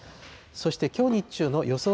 そしてきょう日中の予想